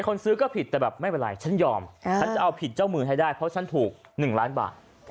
คนซื้อก็ผิดแต่แบบไม่เป็นไรฉันยอมฉันจะเอาผิดเจ้ามือให้ได้เพราะฉันถูก๑ล้านบาท